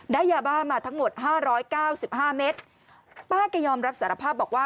ได้ยาบ้ามาทั้งหมด๕๙๕เมตรป้าก็ยอมรับสารภาพบอกว่า